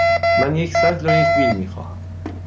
من یک سطل و یک بیل می خواهم.